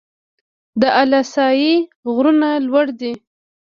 د اله سای غرونه لوړ دي